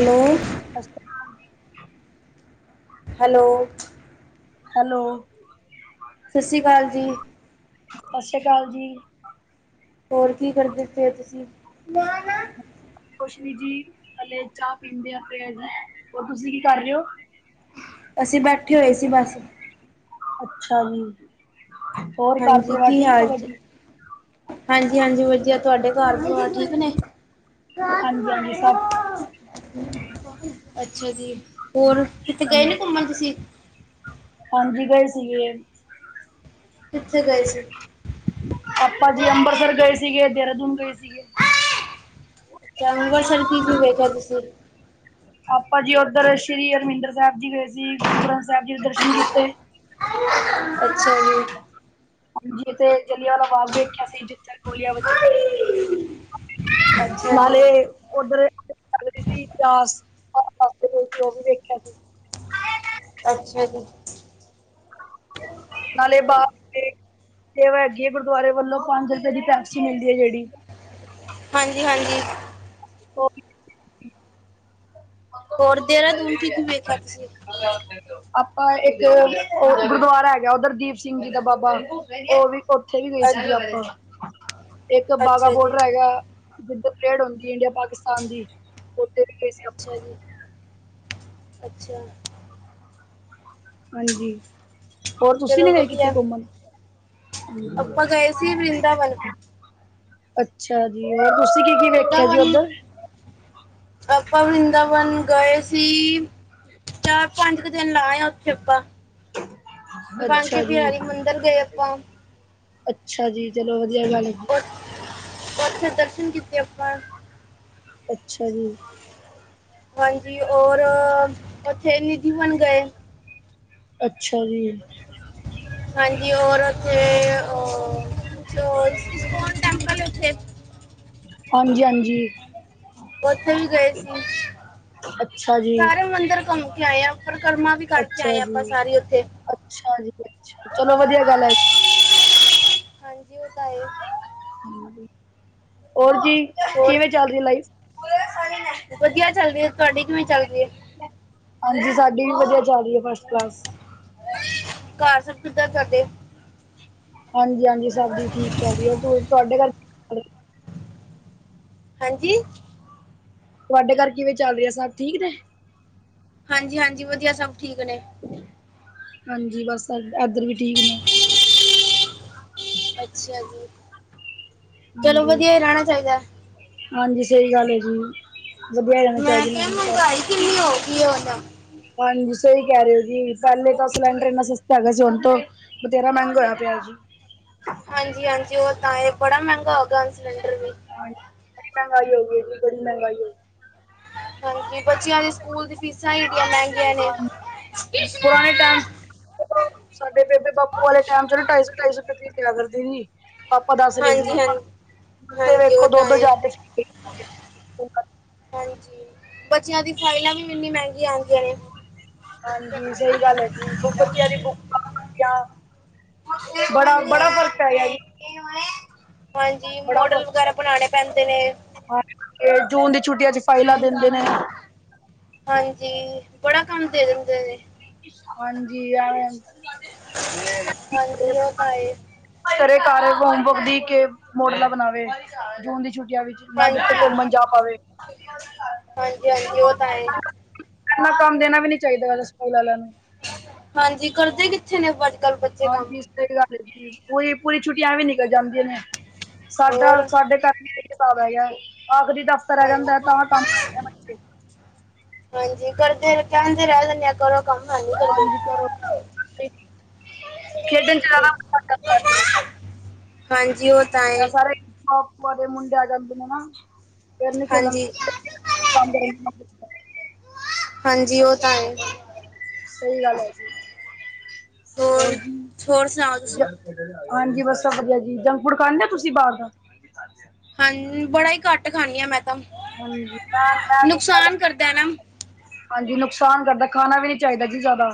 Hello [unintelligible] ਅੱਛਾ [unintelligible] hello. Hello. ਸਤਿ ਸ਼੍ਰੀ ਅਕਾਲ ਜੀ। ਸਤਿ ਸ੍ਰੀ ਅਕਾਲ ਜੀ਼। ਹੋਰ ਕੀ ਕਰਦੇ ਪਏ ਹੋ ਤੁਸੀਂ। ਕੁਛ ਨੀ ਜੀ ਹਲੇ ਚਾਹ ਪੀਦੇ ਆ ਤੇਜ ਹੋਰ ਤੁਸੀਂ ਕੀ ਕਰ ਰਹੇ ਹੋ? ਅਸੀਂ ਬੈਠੇ ਹੋਏ ਸੀ ਬਸ। ਅੱਛਾ ਜੀ। ਹੋਰ ਘਰ ਹਾਂਜੀ, ਪਰਿਵਾਰ ਕੀ ਠੀਕ ਹਾਲ ਹੈਗਾ ਚ ਜੀ? ਹਾਂਜੀ- ਹਾਂਜੀ ਵਧੀਆ ਤੁਹਾਡੇ ਘਰ ਸ ਠੀਕ ਨੇ। ਹਾਂਜੀ -ਹਾਂਜੀ ਸਭ ਅੱਛਾ ਜੀ ਹੋਰ ਕਿਥੇ ਗਏ ਹਾਂਜੀ ਨੇ ਘੁੰਮਣ ਤੁਸੀਂ? ਹਾਂਜੀ ਗਏ ਸੀਗੇ ਕਿਥੇ ਗਏ ਸੀ? ਅਪਾ ਜੀ ਅੰਬਰਸਰ ਗਏ ਸੀਗੇ ਦੇਹਰਾਦੂਨ ਗਏ ਸੀਗੇ ਅੱਛਾ, ਅੰਬਰਸਰ ਕੀ ਕੀ ਵੇਖਿਆ ਤੁਸੀਂ ਆਪਾਂ ਜੀ ਉੱਧਰ ਸ਼੍ਰੀ ਹਰਮਿੰਦਰ ਸਾਹਿਬ ਜੀ ਗਏ ਸੀ। ਗੁਰੂ ਗ੍ਰੰਥ ਸਾਹਿਬ ਜੀ ਦੇ ਦਰਸ਼ਨ ਕੀਤੇ ਅੱਛਾ ਜੀ ਜਿੱਥੇ ਜਲੀਆਂਵਾਲਾ ਬਾਗ ਦੇੇਖਿਆ ਸੀ, ਜਿੱ ਗੋਲੀਆਂ ਵੱਜੀਆਂ ਸੀ, ਅੱਛਾ ਜੀ ਨਾਲੇ ਉਧਰ [unintelligible] ਉਹ ਵੀ ਵੇਖਿਆ ਸੀ। ਅੱਛਾ ਜੀ ਨਾਲੇ ਬਾਬੇ [unintelligible] ਗੁਰਦੁਆਰੇ ਵੱਲੋਂ ਪੰਜ ਰੁਪਏ ਦੀ ਪੇੈਪਸੀ ਮਿਲਦੀ ਐ ਜਿਹੜੀ ਹਾਂਜੀ-ਹਾਂਜੀ। ਹੋ [inaudible] ਹੋਰ ਦੇਰਾਦੂਨ ਕੀ-ਕੀ ਵੇਖਿਆ ਤੁਸੀਂ? [unintelligible] ਆਪਾਂ ਇੱਕ ਓ ਗੁਰਦੁਆਰਾ ਹੈਗਾ ਉਧਰ ਦੀਪ ਸਿੰਘ ਜੀ ਦਾ ਬਾਬਾ, ਓ ਵੀ ਉੱਥੇ ਵੀ ਗਏ ਸੀ ਗੇ ਆਪਾ ਤੇ ਇੱਕ ਬਾਗਾ ਅੱਛਾ ਜੀ ਬੋਡਰ ਹੈਗਾ ਜਿੱਥੇ ਪਰੇਡ ਹੁੰਦੀ ਏ ਇੰਡੀਆ-ਪਾਕਿਸਤਾਨ ਦੀ, ਉੱਥੇ ਵੀ ਗਏ ਸੀ ਆਪਾਂ। ਅੱਛਾ ਜੀ। ਅੱਛਿਆ ਹਾਂਜੀ। ਹੋਰ ਤੁਸੀਂ ਨੀ ਚਲੋ ਗਏ ਕਿਤੇ ਵਧੀਆ ਕੁੰਮਣ? ਆਪਾਂ ਗਏ ਸੀ ਵਰਿੰਦਾਵਨ ਅੱਛਾ ਜੀ। ਹੋਰ ਤੁਸੀਂ ਕੀ ਕੀ ਵੇਖਿਆ ਜੀ ਵਰਿਦਾਵਨ ਉੱਧਰ ਆਪਾਂ ਵਰਿੰਦਾਵਨ ਗਏ ਸੀ, ਚਾਰ-ਪੰਜ ਕ ਦਿਨ ਲਾ ਆ ਉੱਥੇ ਆਪਾਂ। [unintelligible] ਕੇ ਅੱਛਾ ਜੀ ਬਹਾਰੀ ਮੰਦਿਰ ਗਏ ਆਪਾਂ ਅੱਛਾ ਜੀ। ਚਲੋ ਵਧੀਆ ਗੱਲ ਏ। ਉੱਥੇ ਦਰਸ਼ਨ ਕੀਤੇ ਆਪਾਂ ਅੱਛਾ ਜੀ। ਹਾਂਜੀ, ਔਰ ਉੱਥੇ ਨਿਧੀ-ਬਨ ਗਏ। ਅੱਛਾ ਜੀ। ਹਾਂਜੀ ਔਰ ਉੱਥੇ ੳ [unintelligible] ਇਸਕੋਨ ਟੈਮਪਲ ਉਥੇ ਹਾਂਜੀ-ਹਾਂਜੀ‌। ਉੱਥੇ ਵੀ ਗਏ ਸੀ। ਅੱਛਾ ਜੀ। ਸਾਰੇ ਮੰਦਿਰ ਕੁੰਮ ਕੇ ਆਏ ਆ, ਪਰਿਕਰਮਾ ਵੀ ਕਰਕੇ ਅੱਛਾ ਆਏ ਆਪਾਂ ਜੀ। ਸਾਰੀ ਉੱਥੇ। ਅੱਛਾ ਜੀ ਅੱਛਾ। ਚਲੋ ਵਧੀਆ ਗੱਲ ਏ। ਹਾਂਜੀ ਉਹ [unintelligible] ਹੂੰ। ਹੋਰ ਜੀ ਹੋਰ ਕਿਵੇਂ ਚੱਲ ਰੀ ਐ ਲਾਈਫ? ਵਧੀਆ ਚੱਲ ਰੀ ਏ। ਤੁਹਾਡੀ ਕਿਵੇਂ ਚੱਲਰੀ ਏ? ਹਾਂਜੀ ਸਾਡੀ ਵੀ ਵਧੀਆ ਚੱਲ ਰੀ ਏ, ਫਸਟ-ਕਲਾਸ। ਘਰ ਸਬ ਕਿੱਦਾਂ [unintelligible] ਹਾਂਜੀ-ਹਾਂਜੀ। ਸਭ ਦੀ ਠੀਕ ਚੱਲ ਰੀ ਏ, ਤੁਹਾਡੇ ਘਰ ਹਾਂਜੀ। ਤੁਆਡੇ ਘਰ ਕਿਵੇਂ ਚੱਲ ਰੀ ਆ ਸਭ ਠੀਕ ਨੇ? ਹਾਂਜੀ-ਹਾਂਜੀ, ਵਧੀਆ ਸਭ ਠੀਕ ਨੇ। ਹਾਂਜੀ ਬਸ ਏਧਰ ਵੀ ਠੀਕ ਨੇ‌। ਅੱਛਿਆ ਜੀ। ਚਲੋ ਹਾਂਜੀ ਵਧੀਆ ਹੀ ਰਹਿਣਾ ਚਾਹੀਦਾ ਹਾਂਜੀ ਸਈ ਗੱਲ ਏ ਜੀ ਵਧੀਆ ਰਹਿਣਾ ਮੈਂ ਚਾਹੀਦਾ ਨਾ ਕਿਆ ਜੀ ਸਾਰਾ। ਮੰਗਾਈ ਕਿੰਨੀ ਹੋ ਗਈ ਏ ਹੁਨ ਹਾਂਜੀ ਸਹੀ ਕਹਿ ਰਹੇ ਹੋ ਜੀ ਪਹਿਲੇ ਤਾਂ ਸਿਲੰਡਰ ਇੰਨਾ ਸਸਤਾ ਹੈਗਾ ਸੀ ਹੁਣ ਤੋਂ ਵਧੇਰਾ ਮਹਿੰਗਾ ਹੋਇਆ ਪਿਆ ਜੀ। ਹਾਂਜੀ ਹਾਂਜੀ ਉਹ ਤਾਂ ਇਹ ਬੜਾ ਮੈਅਗਾ ਹੋਗਾ ਸਿਲੰਡਰ। ਵੀ ਹਾਂ ਜੀ ਬੜੀ ਮਹਿੰਗਾਈ ਹੋਈਅ, ਬੜੀ ਮਹਿੰਗਾਈ ਹੋਇ ਹਾਂਜੀ, ਬੱਚਿਆਂ ਦੇ ਸਕੂਲ ਦੀ ਫੀਸਾਂ ਈ ਐਡੀਆਂ ਮਹਿੰਗੀਆਂ ਨੇ। ਟ ਸਾਡੇ ਬੇਬੇ ਬਾਪੂ ਵਾਲੇ ਟਾਈਮ ਚ ਢਾਈ ਸੌ ਢਾਈ ਸੌ ਰੁਪਏ ਫੀਸ ਲਿਆ ਕਰਦੀ ਸੀ ਪਾਪਾ ਦੱਸ ਰਹੇ ਸੀ, ਹਾਂਜੀ ਹਾਂਜੀ ਤੇ ਹਾਂਜੀ ਵੇਖੋ ਉਹ ਦੋ ਤਾਂ ਦੋ ਹੈ ਹਜ਼ਾਰ ਦੇ ਏਕ ਏ ਹਾਂਜੀ, ਬੱਚਿਆਂ ਦੀ ਫਾਈਲਾਂ ਵੀ ਇੰਨੀ ਮਹਿੰਗੀਆਂ ਆਂਦੀਆਂ ਨੇ। ਹਾਂਜੀ, ਸਹੀ ਗੱਲ ਐ ਜੀ ਬੱਚਿਆ ਦੀ ਬੁੱਕ ਬੜਾ, ਬੜਾ ਫਰਕ ਹਾਂਜੀ ਪੇ ਗਿਆ ਜੀ। ਹਾਂਜੀ, ਮੋਡਲ ਵਗੈਰਾ ਬਣਾਣੇ ਪੈਂਦੇ ਨੇ। ਹਾਂ, ਇਹ ਜੂਨ ਦੀ ਛੁੱਟੀਆਂ ਚ ਫਾਈਲਾਂ ਦਿੰਦੇ ਨੇ। ਹਾਂਜੀ, ਬੜਾ ਕੰਮ ਦੇ ਦਿੰਦੇ ਨੇ। ਹਾਂਜੀ ਆ ਏ ਹਾਂਜੀ ਉਹ ਤਾਂ ਹੈ ਘਰੇ ਘਰ ਹੋਮਵਰਕ ਦੀ ਕੇ ਮੋਡਲਾਂ ਬਣਾਵੇ ਜੂਨ ਦੀ ਛੁੱਟੀਆਂ ਵਿੱਚ। ਨਾ ਕਿਥੇ ਹਾਂਜੀ ਘੁੰਮਣ ਜਾ ਪਾਵੇ। ਹਾਂਜੀ ਹਾਂਜੀ ਉਹ ਤਾਂ ਹੈ ਇੰਨਾ ਕੰਮ ਦੇਣਾ ਵੀ ਨੀ ਚਾਹੀਦਾ, ਸਕੂਲ ਵਾਲਿਆਂ ਨੂੰ ਹਾਂਜੀ, ਕਰਦੇ ਕਿੱਥੇ ਨੇ ਅੱਜ ਕੱਲ੍ਹ ਬੱਚੇ ਕੰਮ ਹਾਂਜੀ ਸਹੀ ਗੱਲ ਪੂਈ ਪੂਈ ਛੁੱਟੀਆਂ ਐ ਵੀ ਨਿਕਲ ਜਾਂਦੇ ਨੇ ਸਾਡਾ ਹੋਰ ਸਾਡੇ ਘਰ ਹਿਸਾਬ ਹੈਗਾ ਆਖਰੀ ਦਸਤਾ ਰਹਿ ਜਾਂਦਾ ਤਾਂ ਕੰਮ ਕਰਦੇ ਹਾਂਜੀ ਬੱਚੇ ਹਾਂਜੀ ਕਰਦੇ ਕਹਦੇ ਰਹਿ ਜਾਦੇ ਆ ਕਰੋ ਕੰਮ ਹੇਨ ਹਾਂਜੀ ਕਰੋ ਖੇਡਣ ਜਾਣਾ ਕਰਦਾ ਹੈ ਫਿਰ ਹਾਂਜੀ ਉਹ ਤਾਂ ਐ ਹੁਅ ਭੂਆ ਦੇ ਮੁੰਡੇ ਆ ਜਾਦੇ ਆ ਨ ਫਿਰ ਨੀ ਖੇਲਿਨ ਹਾਂਜੀ ਜਾਦੇ ਹਾਂਜੀ ਉਹ ਤਾਂ ਐ ਸਹੀ ਗੱਲ ਐ ਜੀ ਹੋਰ ਜੀ। ਹੋਰ ਸੁਣਾਓ ਤੁਸੀਂ ਹਾਂਜੀ ਬਸ ਵਧੀਆ ਜੀ ਜੰਕ ਫੂਡ ਖਾਦੇ ਉ ਤੁਸੀਂ ਬਾਹਰ ਦਾ ਲਹਾਂ ਜੀ ਬੜਾ ਹੀ ਘੱਟ ਖਾਂਨੀ ਆ ਮੈਂ ਤਾਂ ਹਾਂਜੀ ਮੈਂ ਮੈਂ ਨੁਕਸਾਨ ਕਰਦਾ ਏ ਨਾ ਹਾਂਜੀ ਨੁਕਸਾਨ ਕਰਦਾ ਖਾਣਾ ਵੀ ਨੀ ਚਾਹੀਦਾ ਜੀ ਜ਼ਿਆਦਾ।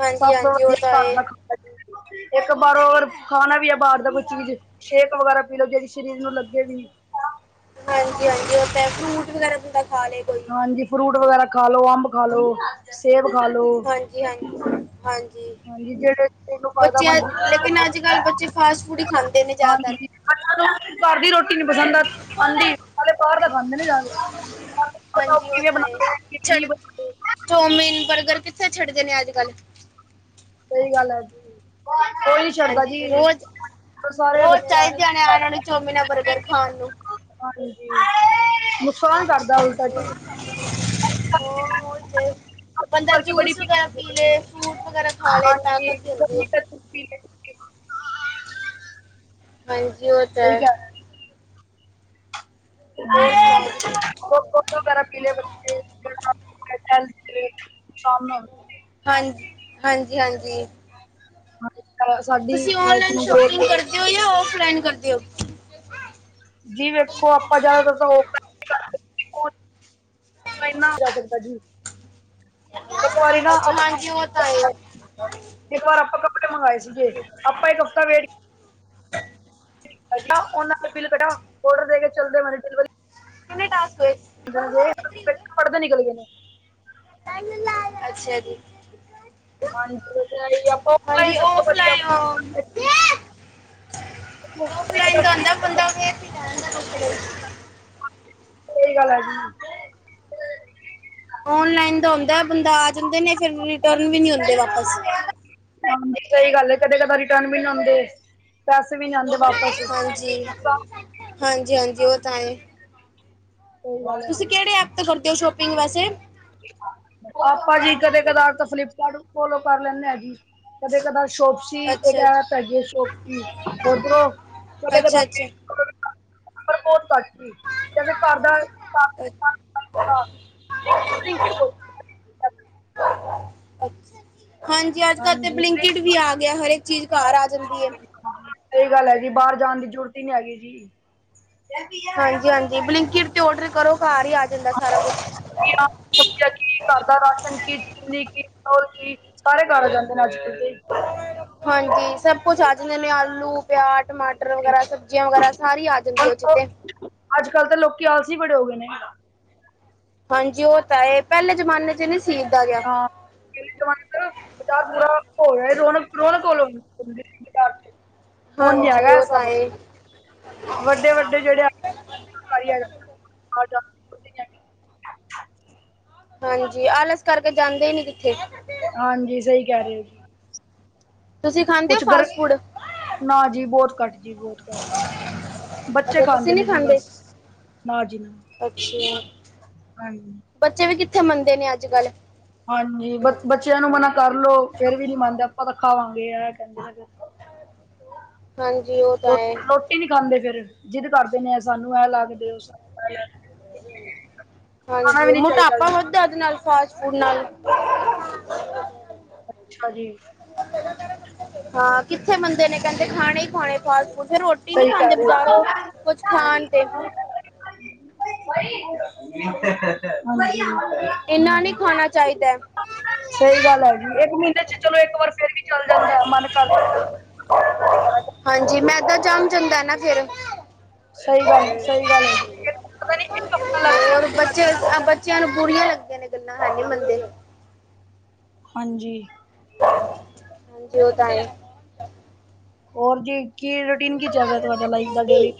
ਹਾਂਜੀ ਸਭ ਤੋਂ ਹਾਂਜੀ ਉਹ ਵਧੀਆ ਤਾਂ ਘਰ ਹੈ ਦਾ ਖਾਣਾ ਏ ਇੱਕ ਬਾਰਹੋਰ ਖਾਣਾ ਵੀ ਆ ਬਾਹਰ ਦਾ ਕੋਈ ਚੀਜ਼ ਸ਼ੇਕ ਵਗੈਰਾ ਪੀ ਲਓ, ਜਿਹੜੀ ਸਰੀਰ ਨੂੰ ਲੱਗੇ ਵੀ। ਹਾਂਜੀ ਹਾਂਜੀ ਉਥੇ ਫਰੂਟ ਵਗੈਰਾ ਬੰਦਾ ਖਾ ਲਏ ਕੋ ਹਾਂਜੀ ਫਰੂਟ ਵਗੈਰਾ ਖਾ ਲੋ ਅੰਬ ਖਾ ਲੋ ਸੇਬ ਖਾ ਲੋੋ ਹਾਂਜੀ ਹਾਂਜੀ ਹਾਂਜੀ ਜਿਹੜੇ ਤੈਨੂੰ ਬੱਚੇ ਫਾਇਦਾਮੰਦ ਲੇਕਿਨ ਅੱਜ ਕੱਲ ਬੱਚੇ ਫਾਸਟ ਫੂਡ ਹੀ ਖਾਂਦੇ ਨੇ ਹਾਂਜੀ। ਜ਼ਿਆਦਾਤਰ ਘਰ ਦੀ ਰੋਟੀ ਨੀ ਪਸੰਦ ਆ ਖਾਂਦੀੇ ਬਾਹਰ ਤਾਂ ਖਾਂਦੇ ਨੇ ਜਿਆਦਾ ਤਾ ਹਾਂਜੀ ਕਿਵੇਂ ਬਣਾਦੇ ਓ ਕਿ ਨੀ ਬਨਾਏ ਓ ਚੌਮੀਨ, ਬਰਗਰ ਕਿੱਥੇ ਛੱਡਦੇ ਨੇ ਅੱਜ ਕੱਲ੍ਹ ਸਹੀ ਗੱਲ ਐ ਜੀ, ਕੋਈ ਨੀ ਛੱਡਦਾ ਹਾਂਜੀ ਜੀ। ਰੋਜ਼ ਉਹ ਸਾਰੇ ਰੋਜ਼ ਬੱਚਿਆਂ ਨੇ ਚਾਹੀਦੇ ਇਹਨਾਂ ਛੱਡਤਾ ਨੂੰ ਚੌਮਿਨਾ ਖਾਣ ਨੂੰ ਹਾਂਜੀ ਨੁਕਸਾਨ ਕਰਤਾ ਹਾਂ ਓਹੀ ਤੇ ਬੰਦਾ ਕਰਕੇ ਬੜੀ ਜੂਸ ਵਗੈਰਾ ਪੀ ਲਏ ਫਰੂਟ ਵਗੈਰਾ ਖਾ ਲਏ ਹਾਂਜੀ ਤਾਕਤ ਦਿੰਦੇ ਗਰਮੀ ਆ। ਕਰਕੇ ਪੀ ਹਾਂਜੀ ਔ ਤੈ ਸਹੀ ਕਹਿ ਰਹੇ ਹੋਰ ਹਾਂ ਸੁਣਾਓ ਤੁਸੀਂ [unintelligible] ਹੋਰ ਦੁੱਧ ਵਗੇਰਾ ਪੀ ਲਏ ਬੱਚੇ [unintelligible] ਹਾਂਜ- ਹਾਂਜੀ-ਹਾਂਜੀ। [unintelligible] ਸਾਡੀ ਮੈਚਿੰਗ ਗ੍ਰੋਥ ਵੇ ਯੋ-ਯੋ ਔ ਫਰੈਂਡ ਕਰਦੀ ਔਦ ਜੀ ਵੇਖੋ ਆਪਾਂ ਜਾਦਾ ਤਰ ਔ [unintelligible] ਕੂਲ। ਮੈ ਇਨਾ ਜਾ ਸਕਦਾ ਜੀ। [unintelligible] ਔ ਕੋ ਈ ਨਾ ਅੱਛਾ ਅਪਾ ਹਾਂਜੀ ਉਹ ਤਾਂ ਹੈ [unintelligible] ਇੱਕ ਵਾਰ ਆਪਾਂ ਕੱਪੜੇ ਮੰਗਵਾਏ ਸੀਗੇ ਆਪਾਂ ਇੱਕ ਹਫ਼ਤਾ ਵੇਟ- ਬਾ [unintelligible] ਔਨਾਂ ਦਾ ਬਿੱਲ ਕਡਾ ਔਡਰ ਦੇ ਕੇ ਚੱਲਦੇ ਬਣੇ ਡਿਲੀਵਰੀ ਕਿਨੇ ਟਾਸਕ ਹੋਏ? [unintelligible] ਪ ਪੜ੍ਹਦੇ ਨਿਕਲ ਗਏ ਨੇ। ਅੱਛਾ ਜੀ। ਹਾਂਜੀ ਹਜ਼ ਆਪਾਂ ਹਾਂਜੀ ਸਭ ਤੋਂ ਪ [unintelligible] ਔਫਲਾਈਨ ਦਾ ਹੋਂਦਾ ਬੰਦਾ ਫਦਾੱਪੜ [unintelligible] ਸਈ ਗੱਲ ਐ ਜੀ। ਔਨਲਾਈਨ ਦਾ ਹੋਂਦਾ ਬੰਦਾ ਆ ਜਾਂਦੇ ਨੇ ਫੇਰ ਰਿਟਰਨ ਵੀ ਨੀ ਹੋਂਦੇ ਵਾਪਸ। ਹਮ ਸ ਈ ਗੱਲ ਏ ਕਦੇ -ਕਦੇ ਰਿਟਰਨ ਵੀ ਨੀ ਹੋਂਦੇ ਪੈਸੇ ਵੀ ਨੀ ਆਂਦੇ ਵਾਪ- ਹਾਂਜੀ -ਹਾਂਜੀ- ਹਾਂਜੀ ਔ ਤਾਂ ਏ ਤੁਸੀਂ ਕੇੜੇ ਐਪ ਤੋਂ ਕਰਦੇ ਔ ਸ਼ੋਪਿੰਗ ਵੈਸੇ? ਆਪਾਂ ਜੀ ਕਦੇ ਕਦਾਰ ਫਲਿਪਕਾਰਟ ਫੋਲੋ ਕਰ ਲੈਂਦੇ ਆਾਂ ਜੀ। ਕਦੇ ਕਦਾਰ ਸ਼ੋਪਸ। ਸੀ ਇਕ ਅੱਛਾ ਐਪ ਹੈਗੀ ਸ਼ੌਪੀ ਔਦਰੋਂ, ਕਦੇ ਕਦਾਰ ਅੱਛਾ ਅੱਛਾ ਮੀਮੋ ਤੋਂ [unintelligible] ਪਰ ਬੋਤ ਘਟ ਜੀ, ਵੈਸੇ ਕਰਦਾ ਕਰ ਹ [inaudible] [unintelligible] [unintelligible] ਅਛਾ। ਹਾਂਜੀ, ਜੀ ਅੱਜ ਕਲ ਤੇ ਹਾਂਜੀ ਬਲਿੰਕਟ ਵੀ ਆ ਗਿਆ ਹਰੇਕ ਚੀਜ਼ ਘਰ ਆ ਜਾਂਦੀ ਏ। ਸ ਈ ਗੱਲ ਏ ਜੀ ਬਾਰ ਜਾਣ ਦੀ ਜੂਰੂਤ ਈ ਨੀ ਹੈਗੀ ਜੀ। ਹਾਂਜੀ -ਹਾਂਜੀ ਬਲਿੰਕਿਟ ਤੇ ਔਡਰ ਕਰੋ ਘਰ ਈ ਆ ਜਾਂਦਾ ਸਾਰਾ ਕੁਛ ਸਬਜੀਆ ਕੀ ਘਰ ਦਾ ਰਾਸ਼ਨ ਕੀ ਚਿਨੀ ਕੀ ਹੋਰ ਕੀ ਸਾਰੇ ਘਰ ਆ ਜਾਂਦੇ ਨੇ ਅੱਜ -ਕੱਲ ਤੇ [unintelligible] ਹਾਂਜੀ। ਸਭ ਕੁਛ ਆ ਜਨੇ ਮੈ ਆਲੂ ਪਿਆਜ਼, ਟਮਾਟਰ ਵਗੈਰਾ ਸਬਜ਼ੀਆਂ ਵਗੈਰਾ ਸਾਰੀ ਆ ਜਾਂਦੀ ਔ ਚ ਤੇ। ਅੱਜ -ਕੱਲ੍ਹ ਤਾਂ ਲੋਕੀ ਆਲਸੀ ਬੜੇ ਹੋ ਗਏ ਨੇ। ਹਾਂਜੀ ਔ ਤੈ ਏ ਪੈਲੇ ਜਮਾਨੇ ਚ ਨੀ ਸੀ‌ ਇਦਾਂ ਦਾ। ਹਾਂ। [unintelligible] [unintelligible] ਪਾਰਾ ਹੋ ਗਿਆ ਰੋ ਰੋਣ ਵਲੋ ਵੀ ਘਰ ਚ। ਹੁਣ ਹਾਂਜੀ ਯੈਯੈ ਉਹ ਤਾਂ ਸਭ, ਹੈ ਵੱਡੇ -ਵੱਡ ਜਿਹੜੇ ਆ [unintelligible] ਹਾਂਜੀ ਆਲਸ ਕਰਕੇ ਜਾਂਦੇ ਈ ਨੀ ਕਿੱਥੇ। ਹਾਂਜੀ ਸਈ ਕੈਰੇ ਔ ਜੀ। ਤੁਸੀਂ ਖਾਂਦੇ ਹੋ ਕੁਛ ਫਾਸਟ ਗਰਮੀ ਫੂਡ ਨਾ ਜੀ ਬੋਤ ਘੱਟ ਤੀ ਬੋਤ ਬੱਚੇ ਅੱਛਾ ਤੁਸੀਂ ਖਾਂਦੇ ਨੇ ਨਹੀਂ ਜੀ ਬਸ ਮਾਜਰੀ। ਅੱਛਾ ਹਾਂਜੀ। ਬੱਚੇ ਵੀ ਕਿੱਥੇ ਮੰਨਦੇ ਨੇ ਅੱਜ- ਕੱਲ੍ਹ। ਹਾਂਜੀ, ਬ ਬੱਚਿਆਂ ਨੂੰ ਮਨਾ ਕਰ ਲੋ, ਫੇਰ ਵੀ ਨੀ ਮੰਨਦੇ, ਆਪਾਂ ਤਾਂ ਖਾਵਾਂਗੇ ਐ ਕਹਿੰਦੇ ਹੈਗੇ। ਹਾਂਜੀ, ਓ ਲੁੱਟ -ਲੁੱਟ ਇਹ ਨੀ ਖਾਂਦੇ ਫੇਰ, ਜਿਦ ਕਰਦੇ ਨੇ, ਸਾਨੂੰ ਐ ਲਾ ਕੇ ਦੇਉ, ਸਾਨੂੰ ਖਾਣਾ ਵੀ ਹਾਂਜੀ, ਨੀ ਚਾਹੀਦਾ ਮੋਟਾਪਾ ਵਧਦਾ ਉਦੇ ਨਾਲ, ਫਾਸਟ ਫੂਡ ਨਾਲ। ਅੱਛਾ ਜੀ। ਹਾਂ ਕਿੱਥੇ ਮੰਨਦੇ ਨੇ, ਕਹਿੰਦੇ ਖਾਣੇ ਹੀ ਖਾਣੇ ਫਾਸਟ ਫੂਡ। ਫਿਰ ਰੋ ਟੀ ਨਹੀਂ ਸਹੀ ਖਾਂਦੇ ਕਹਿ ਰਹੇ ਹੋ ਬਜ਼ਾਰੋਂ, ਕੁੱਝ ਖਾਣ ਤੇ। ਹਾਂਜੀ। ਏਨਾਂ ਨਹੀਂ ਖਾਣਾ ਚਾਹੀਦਾ। ਸਹੀ ਗੱਲ ਹੈਗੀ, ਇੱਕ ਮਹੀਨੇ ਚ ਚਲੋ ਇੱਕ ਵਾਰ ਫੇਰ ਵੀ ਚੱਲ ਜਾਂਦਾ, ਮਨ ਕਰ ਬਾਰ ਦਾ ਹਾਂਜੀ, ਮੈਂਦਾ ਜੰਮ ਜਾਂਦਾ ਨਾ ਫਿਰ। ਸਹੀ ਗੱਲ ਸਹੀ ਗੱਲ ਹੈ ਜੀ ਪਤਾ ਨੀ ਇੱਕ ਹਫ਼ਤਾ ਲੱਗਦਾ ਹੋਰ ਹੈ। ਬੱਚੇ, ਸਭ ਬ ਚਿਆਂ ਨੂੰ ਬੁਰੀਆਂ ਲੱਗੀਆਂ ਨੇ ਗੱਲਾਂ, ਹੈਨੀ ਮੰਨਦੇ। ਹਾਂਜੀ। ਹਾਂਜੀ ਓ ਤਾਂ ਹੈ। ਹੋਰ ਜੀ, ਕੀ ਰੂਟੀਨ, ਕੀ ਚੱਲ ਰਿਹਾ ਤੁਹਾਡਾ ਲਾਈਫ ਦਾ ਡੇਲੀ? ਹੈ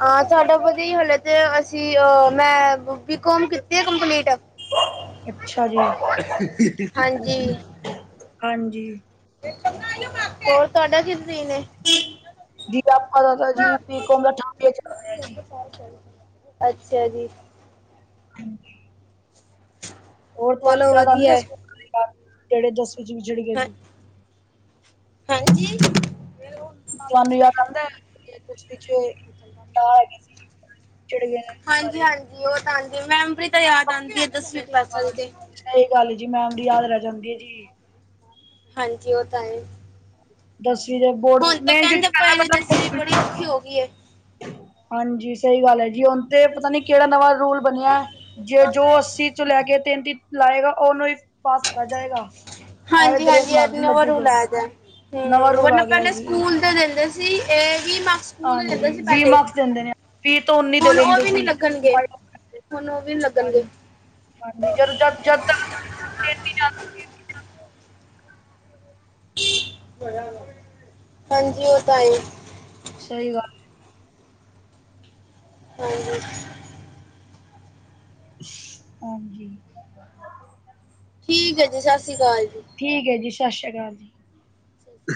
ਹਾਂ, ਸਾਡਾ ਵਧੀ ਹਲੇ ਤੇ ਅਸੀਂ ਅ ਮੈਂ ਬੀਕੋਮ ਕੀਤੀ ਆ ਕੰਪਲੀਟ। ਅੱਛਾ ਜੀ! ਹਾਂਜੀ ਹਾਂਜੀ। ਹੋਰ ਤੁਹਾਡਾ ਕੀ ਰੂਟੀਨ ਐ? ਜੀ ਆਪਾਂ ਦਾ ਤਾਂ ਜੀ ਬੀਕੋਮ ਦਾ ਥਰਡ ਈਅਰ ਚੱਲ ਰਿਹਾ ਜੀ। ਅੱਛਾ ਜੀ। ਹਾਂਜੀ। ਹੋਰ ਤੁਹਾਨੂੰ ਚਲੋ ਯਾਦ ਵਧੀਆ ਆਂਦੇ ਹੈ ਸਕੂਲ ਜਿਹੜੇ ਦਸਵੀ ਚ ਵਿਛੜ ਗਏ ਹਾਂ ਸੀ? ਹਾਂਜੀ? ਤੁਹਾਨੂੰ ਯਾਦ ਆਂਦਾ, ਕੇ ਦਸਵੀਂ ਚ ਆਹ ਹੈਗੇ ਸੀ, ਜਿਹੜੇ ਹਾਂਜੀ, ਹਾਂਜੀ ਉਹ ਤਾਂ ਆਂਦੀ, ਮੈਮਰੀ ਤਾਂ ਯਾਦ ਆਂਦੀ ਏ ਦਸਵੀਂ ਕਲਾਸਾਂ ਦੀ ਤੇ। ਸਹੀ ਗੱਲ ਹੀ ਜੀ, ਮੈਮਰੀ ਯਾਦ ਰਹਿ ਜਾਂਦੀ ਹੈ ਜੀ। ਹਾਂਜੀ, ਉਹ ਤਾਂ ਹੈ। ਦਸਵੀ ਦੇ ਬੋਰਡ ਹੁਣ ਤਾਂ ਮੈਂ ਕਹਿੰਦੇ ਕਿਉਂਕਿ ਪਏ ਨੇ ਪਹਿਲਾਂ ਪਲ ਦਸਵੀਂ ਬੜੀ ਔਖੀ ਹੋ ਗਈ ਏ। ਹਾਂਜੀ ਸਹੀ ਗੱਲ ਹੈ ਜੀ, ਹਣ ਤੇ ਪਤਾ ਨੀ ਕਿਹੜਾ ਨਵਾਂ ਰੂਲ ਬਣਿਆ ਐ, ਜੇ ਜੋ ਅੱਸੀ ਚ ਲੈ ਕੇ ਤਿੰਨਤੀ ਲਾਏਗਾ, ਉਹਨੂੰ ਹੀ ਪਾਸ ਕੀਤਾ ਜਾਏਗਾ। ਐਵੇਂ ਹਾਂਜੀ, ਗ੍ਰੇਸ ਹਾਂਜੀ ਐ ਮਾਰਕ ਤੇ ਨੀ ਨਵਾ ਲੱਗੂਗਾ ਰੂਲ ਆ ਗਿਆ। ਨਵਾਂ ਹੂ, ਰੂਲ ਹੁਣ ਆ ਗਿਆ ਪਹਿਲੇ ਜੀ ਸਕੂਲ ਦਿੰਦੇ ਸੀ, ਇਹ ਵੀ ਮਾਸ ਸਕੂਲ ਹਾਂਜੀ ਜਾਂਦੇ ਸੀ ਵੀਹ ਪਹਿਲੇ, ਮਾਰਕਸ ਦਿੰਦੇ ਨੇ ਵੀਹ ਤੋਂ ਉੱਨੀ ਦੇ ਹੁਣ ਉਹ ਦਿੰਦੇ ਵੀ ਨੀ ਸੀ ਲੱਗਣਗੇ। ਹਾਂਜੀ ਹੁਣ ਉ ਵੀ ਨੀ ਲੱਗਣਗੇ। ਹਾਂਜੀ। ਜਦ, ਜਦ, ਜਦ ਦਾ ਤੇਤੀ ਨਾ ਹਾਂਜੀ ਓ ਤਾਂ ਹੈ ਹੀ। ਸਹੀ ਗੱਲ। ਹਾਂਜੀ। ਹਾਂਜੀ। ਠੀਕ ਹੈ ਜੀ, ਸਸ ਸੀ ਅਕਾਲ ਜੀ। ਠੀਕ ਐ ਜੀ ਸਸ ਸ਼ ਕਾਲ ਜੀ। ਜੀ